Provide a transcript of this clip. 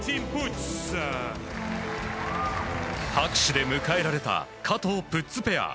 拍手で迎えられた加藤、プッツペア。